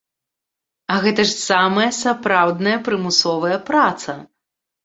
А гэта ж самая сапраўдная прымусовая праца!